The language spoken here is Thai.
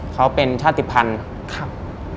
เขาเป็นชาติภัณฑ์ครับ